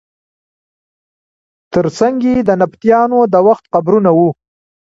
تر څنګ یې د نبطیانو د وخت قبرونه وو.